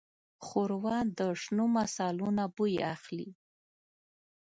ښوروا د شنو مصالو نه بوی اخلي.